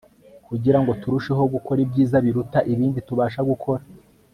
kugira ngo turusheho gukora ibyiza biruta ibindi tubasha gukora